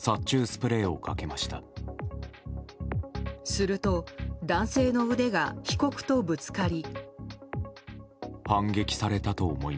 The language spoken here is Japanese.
すると、男性の腕が被告とぶつかり。